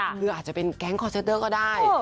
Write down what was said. คืออาจจะเป็นแก๊งคอร์เซนเตอร์ก็ได้